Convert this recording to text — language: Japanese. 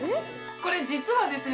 これ実はですね